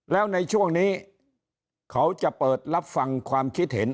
แล้วในช่วงนี้เขาจะเปิดรับฟังความคิดเห็น